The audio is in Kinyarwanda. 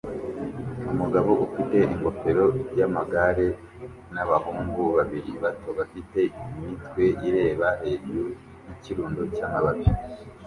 Umugabo ufite ingofero yamagare nabahungu babiri bato bafite imitwe ireba hejuru yikirundo cyamababi